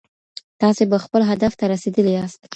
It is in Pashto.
تاسي به خپل هدف ته رسېدلي ياست.